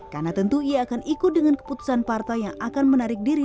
karena tentu ia akan ikut dengan keputusan partai yang akan menarik diri